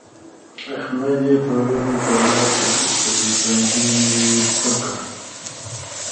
احمد يې پرون په ناسته کې تر بڼکې سپک کړ.